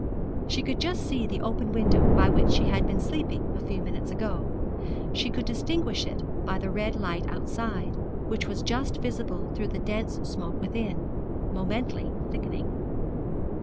She could just see the open window by which she had been sleeping a few minutes ago she could distinguish it by the red light outside, which was just visible through the dense smoke within, momently thickening.